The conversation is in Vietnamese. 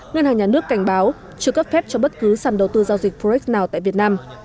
ngân hàng nhà nước cảnh báo chưa cấp phép cho bất cứ sàn đầu tư giao dịch forex nào tại việt nam